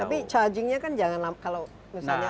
tapi charging nya kan jangan kalau misalnya ada